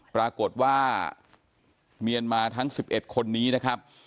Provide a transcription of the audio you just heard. ปรากฏว่าเมียนมาทั้ง๑๑คนนี้นะครับ